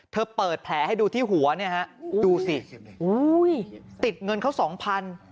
เธอเปิดแผลให้ดูที่หัวดูสิติดเงินเขา๒๐๐๐บาท